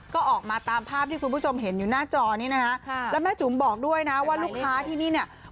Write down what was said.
ก็ออกมาตามภาพที่คุณผู้ชมเห็นอยู่หน้าจอนี้นะคะแล้วแม่จุ๋มบอกด้วยนะว่าลูกค้าที่นี่เนี่ย